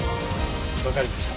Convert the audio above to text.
わかりました。